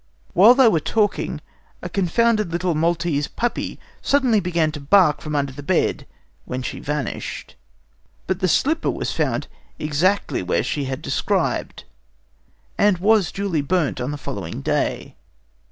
While they were talking, a confounded little Maltese puppy suddenly began to bark from under the bed, when she vanished. But the slipper was found exactly where she had described, and was duly burnt on the following day.